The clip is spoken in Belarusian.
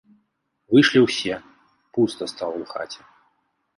Выйшлі ўсе, пуста стала ў хаце.